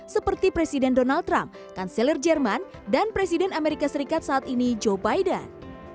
seperti presiden donald trump kanselir jerman dan presiden amerika serikat saat ini joe biden